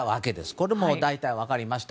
これも大体、分かりました。